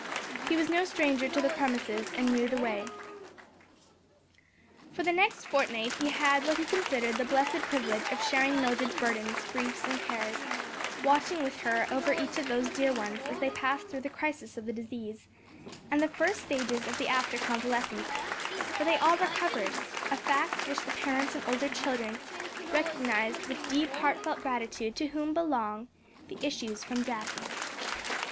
He was no stranger to the premises and knew the way. For the next fortnight he had what he considered the blessed privilege of sharing Mildred's burdens, griefs and cares; watching with her over each of those dear ones as they passed through the crisis of the disease, and the first stages of the after convalescence; for they all recovered; a fact which the parents and older children recognized with deep heart felt gratitude to Him to whom "belong the issues from death."